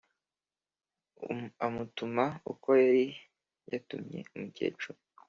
amutuma uko yari yatumye umukecuru.